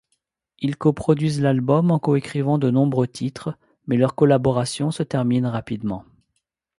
Ils coproduisent l'album en coécrivant de nombreux titres mais leur collaboration se termine rapidement.